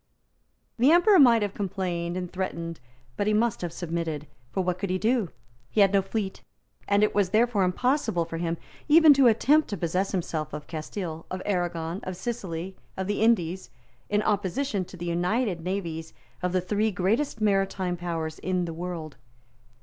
The Emperor might have complained and threatened; but he must have submitted; for what could he do? He had no fleet; and it was therefore impossible for him even to attempt to possess himself of Castile, of Arragon, of Sicily, of the Indies, in opposition to the united navies of the three greatest maritime powers in the world.